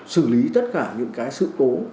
xử lý tất cả những cái sự tố